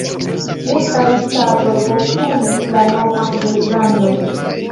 Multaj ŝtatoj postulis la novan reĝlandon.